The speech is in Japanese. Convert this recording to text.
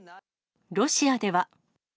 ロシアでは。